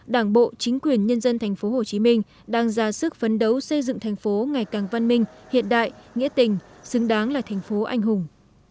đảng bộ chính quyền nhân dân thành phố hồ chí minh đang ra sức phấn đấu xây dựng thành phố ngày càng văn minh hiện đại nghĩa tình xứng đáng là thành phố anh hùng